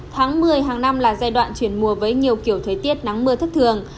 tháng một mươi hàng năm là giai đoạn chuyển mùa với nhiều kiểu thời tiết nắng mưa thất thường